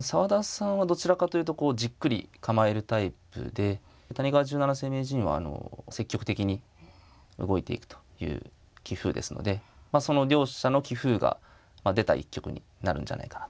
澤田さんはどちらかというとじっくり構えるタイプで谷川十七世名人は積極的に動いていくという棋風ですのでその両者の棋風が出た一局になるんじゃないかなと思います。